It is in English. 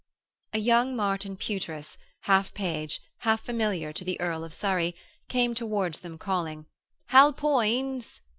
A young Marten Pewtress, half page, half familiar to the Earl of Surrey, came towards them calling, 'Hal Poins.'